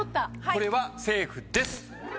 これはセーフです。